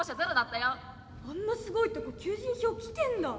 あんなすごいとこ求人票来てんだ。